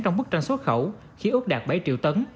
trong bức tranh xuất khẩu khi ước đạt bảy triệu tấn